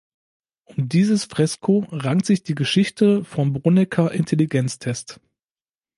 Um dieses Fresko rankt sich die Geschichte vom Brunecker Intelligenztest.